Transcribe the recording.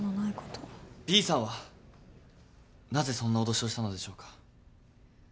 Ｂさんはなぜそんな脅しをしたのでしょうか？